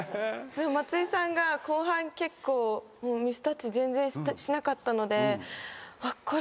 松井さんが後半結構ミスタッチ全然しなかったのであっ